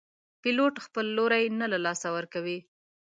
پیلوټ خپل لوری نه له لاسه ورکوي.